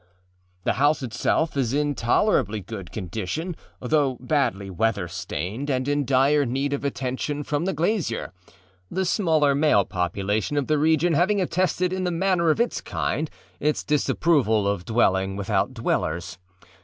The house itself is in tolerably good condition, though badly weather stained and in dire need of attention from the glazier, the smaller male population of the region having attested in the manner of its kind its disapproval of dwelling without dwellers.